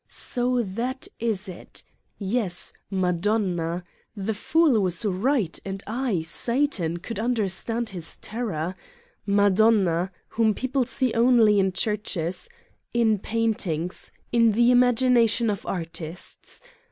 So that is it! Yes, Madonna. The fool was right, and I, Satan, could understand his terror. Madonna, whom people see only in churches, in paintings, in the imagination of artists.